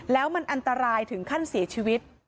แล้วมันอันตรายถึงขั้นเสียชีวิต